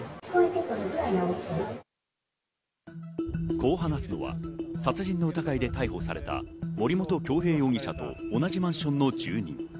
こう話すのは殺人の疑いで逮捕された森本恭平容疑者と同じマンションの住人。